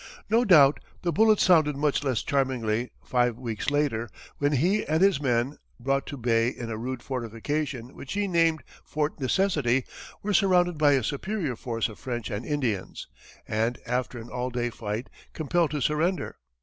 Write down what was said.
No doubt the bullets sounded much less charmingly five weeks later when he and his men, brought to bay in a rude fortification which he named Fort Necessity, were surrounded by a superior force of French and Indians, and, after an all day fight, compelled to surrender.